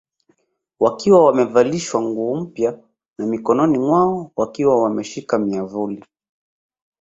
Wakiwa wamevalishwa nguo mpya na mikononi mwao wakiwa wameshika miamvuli